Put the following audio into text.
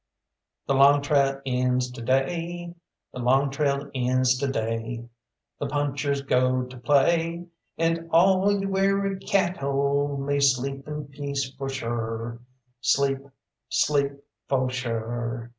The long trail ends to day, The long trail ends to day, The punchers go to play, And all you weary cattle May sleep in peace for sure Sleep, sleep fo' sure.